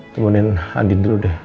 temuin andin dulu deh